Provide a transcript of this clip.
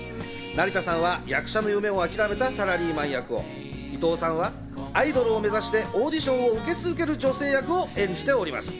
成田さんは役者の夢を諦めたサラリーマン役を、伊藤さんはアイドルを目指してオーディションを受け続ける女性役を演じています。